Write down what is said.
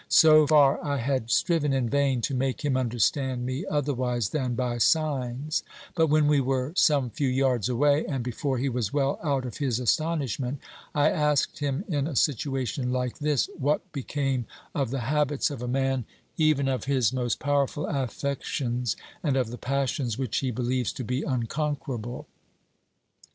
So far 1 had striven in vain to make him understand me otherwise than by signs, but when we were some few yards away, and before he was well out of his astonishment, I asked him, in a situation like this, what became of the habits of a man, even of his most powerful affections, and of the passions which he believes to be unconquerable.